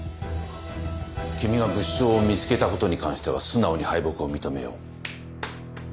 君が物証を見つけたことに関しては素直に敗北を認めよう。